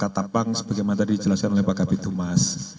tatapang sebagaimana tadi dijelaskan oleh pak kapitumas